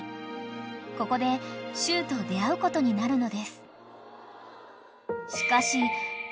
［ここでしゅうと出合うことになるのです］